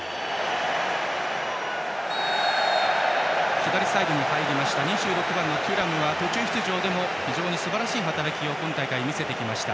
左サイドに入った２６番のテュラムは途中出場でも非常にすばらしい働きを今大会、見せてきました。